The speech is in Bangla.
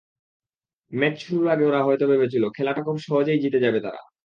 ম্যাচ শুরুর আগে ওরা হয়তো ভেবেছিল, খেলাটা খুব সহজেই জিতে যাবে তারা।